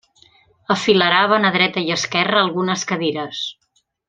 Afileraven a dreta i esquerra algunes cadires.